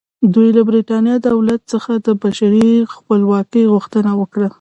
دوی له برېټانیا دولت څخه د بشپړې خپلواکۍ غوښتنه وکړه.